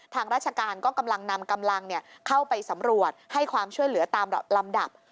ทางราชการก็กำลังนำกำลังเข้าไปสำรวจให้ความช่วยเหลือตามลำดับ